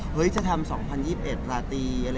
เฮ้ยจะทำ๒๐๒๑ราธิ